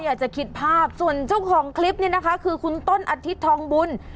อยากจะคิดภาพส่วนเจ้าของคลิปเนี่ยนะคะคือคุณต้นอาทิตย์ทองบุญ